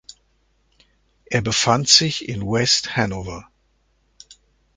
Er befand sich in West Hanover.